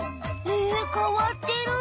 へえかわってる。